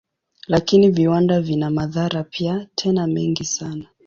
Lakini viwanda vina madhara pia, tena mengi sana.